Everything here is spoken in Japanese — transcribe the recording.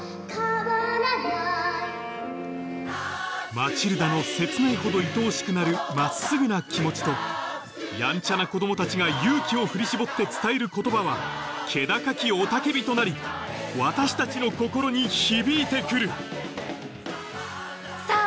マチルダの切ないほどいとおしくなる真っすぐな気持ちとやんちゃな子供たちが勇気を振り絞って伝える言葉は気高き雄たけびとなり私たちの心に響いてくるさぁ